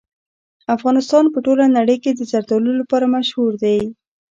افغانستان په ټوله نړۍ کې د زردالو لپاره مشهور دی.